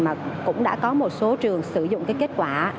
mà cũng đã có một số trường sử dụng cái kết quả